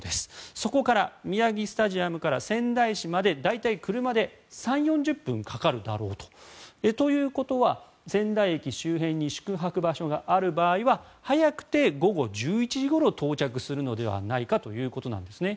そこから、宮城スタジアムから仙台市まで大体車で３０４０分かかるだろうと。ということは、仙台駅周辺に宿泊場所がある場合は早くて午後１１時ごろ到着するのではないかということです。